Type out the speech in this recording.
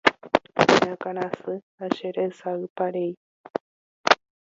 Che akãrasy ha cheresayparei.